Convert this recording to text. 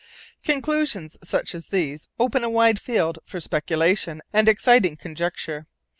Conclusions such as these open a wide field for speculation and exciting conjecture.